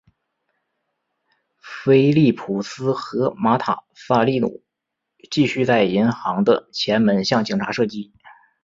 菲利普斯和马塔萨利努继续在银行的前门向警察射击。